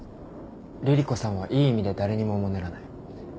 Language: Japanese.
凛々子さんはいい意味で誰にもおもねらない。